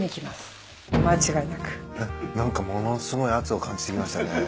何かものすごい圧を感じてきましたね。